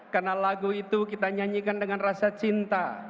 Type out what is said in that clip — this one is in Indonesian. karena lagu itu kita nyanyikan dengan rasa cinta